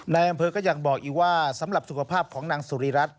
นายอำเภอก็ยังบอกอีกว่าสำหรับสุขภาพของนางสุริรัตน